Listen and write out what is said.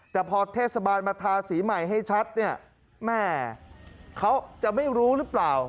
แต่พอเทศบาลมาทาสีใหม่ให้ชัดเนี่ยแม่เขาจะไม่รู้หรือเปล่า